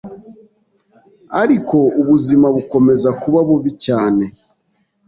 ariko ubuzima bukomeza kuba bubi cyane